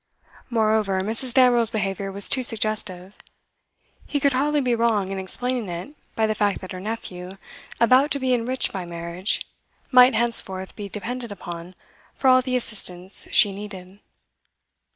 Moreover, Mrs. Damerel's behaviour was too suggestive; he could hardly be wrong in explaining it by the fact that her nephew, about to be enriched by marriage, might henceforth be depended upon for all the assistance she needed.